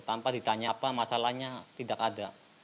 tanpa ditanya apa masalahnya tidak ada